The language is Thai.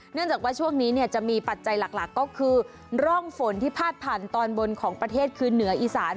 เนื่องจากว่าช่วงนี้จะมีปัจจัยหลักก็คือร่องฝนที่พาดผ่านตอนบนของประเทศคือเหนืออีสาน